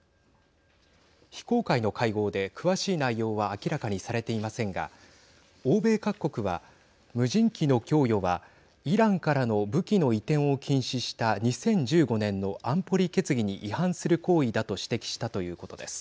非公開の会合で詳しい内容は明らかにされていませんが欧米各国は無人機の供与は、イランからの武器の移転を禁止した２０１５年の安保理決議に違反する行為だと指摘したということです。